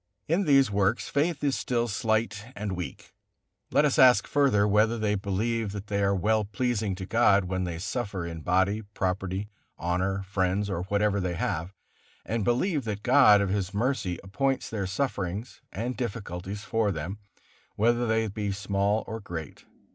In these works faith is still slight and weak; let us ask further, whether they believe that they are well pleasing to God when they suffer in body, property, honor, friends, or whatever they have, and believe that God of His mercy appoints their sufferings and difficulties for them, whether they be small or great.